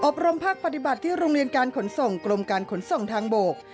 รมภาคปฏิบัติที่โรงเรียนการขนส่งกรมการขนส่งทางบก